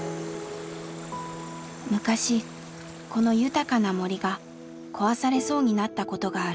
昔この豊かな森が壊されそうになったことがある。